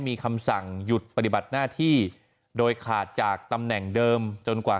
มีคำสั่งหยุดปฏิบัติหน้าที่โดยขาดจากตำแหน่งเดิมจนกว่า